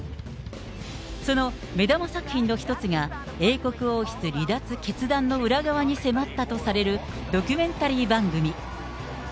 その目玉作品の１つが、英国王室離脱決断の裏側に迫ったとされる、ドキュメンタリー番組。